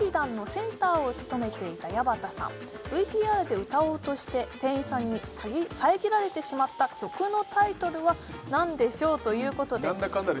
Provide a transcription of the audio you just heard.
ＶＴＲで歌おうとして店員さんに遮られてしまった曲のタイトルは何でしょうということでなんだ